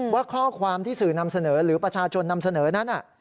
ว่าข้อความที่สื่อนำเสนอหรือประชาชนนำเสนอนั้น